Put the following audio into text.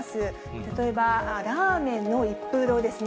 例えばラーメンの一風堂ですね。